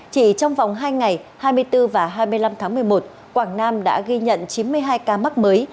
chỉ trong vòng hai ngày hai mươi bốn và hai mươi năm tháng một mươi một quảng nam đã ghi nhận chín mươi hai ca mắc mới